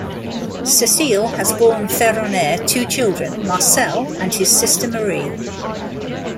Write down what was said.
Cecile has borne Ferronaire two children, Marcel and his sister Marie.